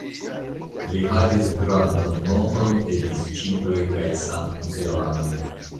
Li havis grandan nombron da disĉiploj kaj samideanoj.